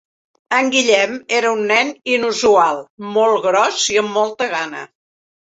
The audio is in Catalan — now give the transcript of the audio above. En Guillem era un nen inusual, molt gros i amb molta gana.